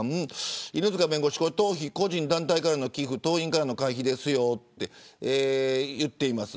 犬塚弁護士党費は個人団体からの寄付党員からの会費ですよと言っています。